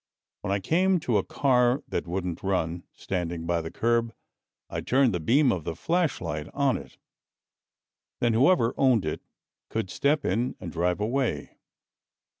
When I came to a car that wouldn't run, standing by the curb, I turned the beam of the flashlight on it. Then whoever owned it could step in and drive away.